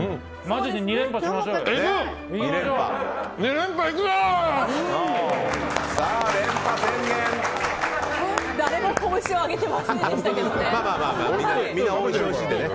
マジで２連覇しましょうよ！